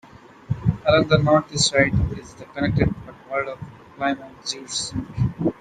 Along the north-east side is the connected but walled-off Plymouth Jewish Cemetery.